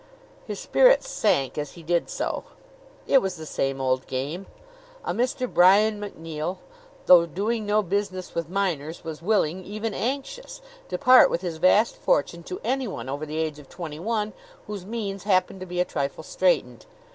His spirits sank as he did so. It was the same old game. A Mr. Brian MacNeill, though doing no business with minors, was willing even anxious to part with his vast fortune to anyone over the age of twenty one whose means happened to be a trifle straitened.